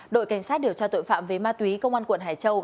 đội cảnh sát điều tra tội phạm về ma túy công an quận hải châu